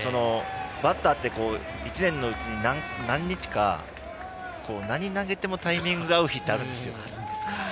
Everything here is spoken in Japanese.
バッターは１年のうち何日か何があってもタイミングが合う日があるんですね。